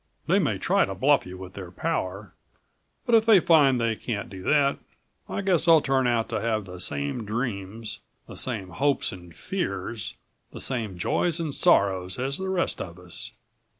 They may try to bluff you with their power but if78 they find they can't do that, I guess they'll turn out to have the same dreams, the same hopes and fears, the same joys and sorrows as the rest of us."